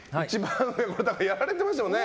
これやられてましたもんね。